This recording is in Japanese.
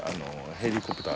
ヘリコプター！？